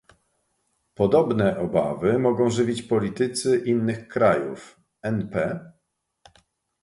Podobne obawy mogą żywić politycy innych krajów, np